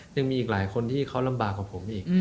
ยังมีอีกหลายคนที่เขาลำบากกว่าผมอีก